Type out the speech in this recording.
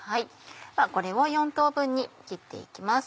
これを４等分に切って行きます。